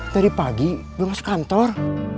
tadi pagi belum masuk kantor